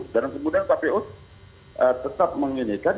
dan kemudian kpu tetap menggunakan